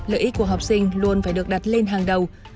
lợi ích của học sinh luôn phải được đặt lên hàng đầu